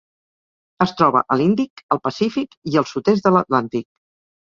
Es troba a l'Índic, el Pacífic i el sud-est de l'Atlàntic.